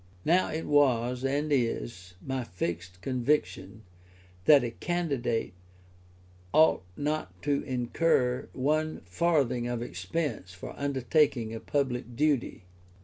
Now it was, and is, my fixed conviction, that a candidate ought not to incur one farthing of expense for undertaking a public duty.